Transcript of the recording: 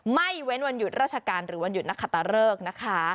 ไม่เว้นวันหยุดราชการหรือวันหยุดนักขตะเริกนะคะ